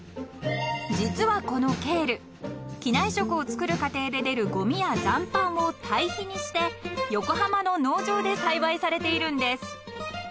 ［実はこのケール機内食を作る過程で出るごみや残飯を堆肥にして横浜の農場で栽培されているんです］